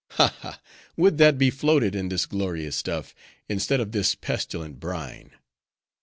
Ha, ha! would that we floated in this glorious stuff, instead of this pestilent brine.